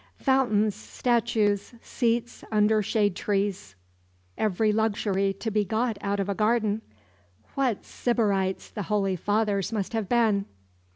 "Fountains, statues, seats under shade trees, every luxury to be got out of a garden! What Sybarites the Holy Fathers must have been!"